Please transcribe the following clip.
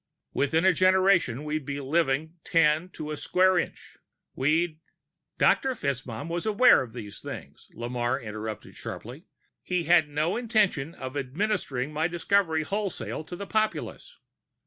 Within a generation we'd be living ten to the square inch. We'd " "Director FitzMaugham was aware of these things," Lamarre interrupted sharply. "He had no intention of administering my discovery wholesale to the populace.